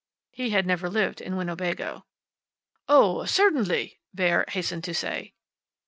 He had never lived in Winnebago. "Oh, certainly," Bauer hastened to say.